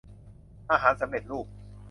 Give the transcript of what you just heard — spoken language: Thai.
อาหารสำเร็จรูป